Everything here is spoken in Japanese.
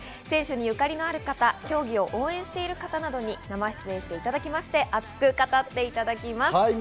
選手に縁のある方、競技を応援してる方などに生出演していただきまして熱く語っていただきます。